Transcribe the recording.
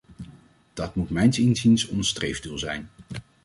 Dat moet mijns inziens ons streefdoel zijn.